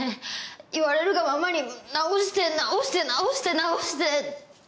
言われるがままに直して直して直して直して。